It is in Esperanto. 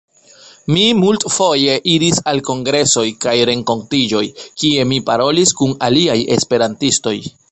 Mi multfoje iris al kongresoj kaj renkontiĝoj, kie mi parolis kun aliaj esperantistoj.